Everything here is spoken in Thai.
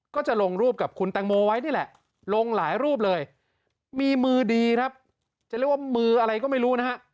ก็จะลงรูปกับคุณแตงโมไว้นี่แหละลงหลายรูปเลยมีมือดีครับจะเรียกว่ามืออะไรก็ไม่รู้นะฮะ